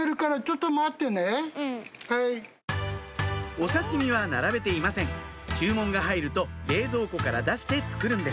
お刺し身は並べていません注文が入ると冷蔵庫から出して作るんです